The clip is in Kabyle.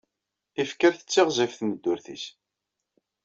Ifker tettiɣzif tmeddurt-nnes.